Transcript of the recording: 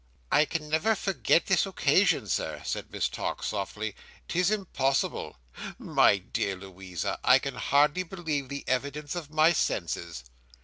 "I can never forget this occasion, Sir," said Miss Tox, softly. "'Tis impossible. My dear Louisa, I can hardly believe the evidence of my senses."